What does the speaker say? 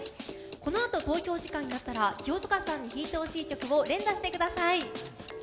このあと投票時間になったら清塚さんに弾いてほしい曲を連打してください。